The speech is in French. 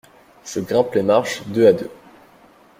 Je grimpe les marches deux à deux.